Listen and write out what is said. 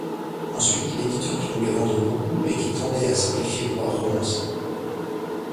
Ensuite l'éditeur qui voulait vendre beaucoup, et qui tendait à simplifier voire romancer.